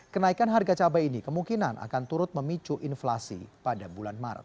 kenaikan harga cabai ini kemungkinan akan turut memicu inflasi pada bulan maret